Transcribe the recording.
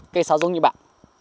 cây sáo giống như bạn